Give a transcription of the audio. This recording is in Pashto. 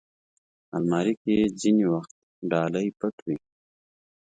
الماري کې ځینې وخت ډالۍ پټ وي